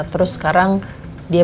terus sekarang dia